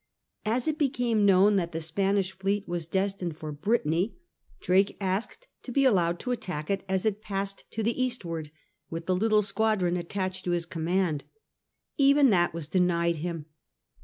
As it became known that the Spanish fleet was destined for Brittany, Drake asked to be allowed to attack it as it passed to the eastward, with the little squadron attached to his command. Even that was denied him.